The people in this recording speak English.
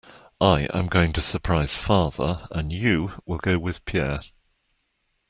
I am going to surprise father, and you will go with Pierre.